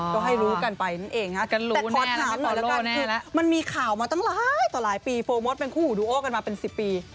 ก็ให้รู้กันไปนั่นเองฮะแต่ขอถามหน่อยแล้วกันคือมันมีข่าวมาตั้งหลายต่อหลายปีโปรโมทเป็นคู่หูดูโอกันมาเป็น๑๐ปี